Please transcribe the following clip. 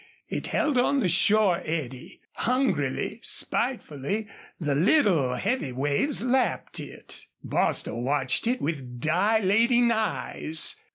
It held on the shore eddy. Hungrily, spitefully the little, heavy waves lapped it. Bostil watched it with dilating eyes.